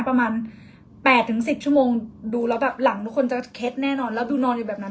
ประมาณ๘๑๐ชั่วโมงดูแล้วแบบหลังทุกคนจะเคล็ดแน่นอนแล้วดูนอนอยู่แบบนั้น